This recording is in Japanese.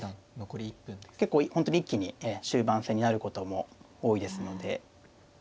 結構本当に一気に終盤戦になることも多いですので。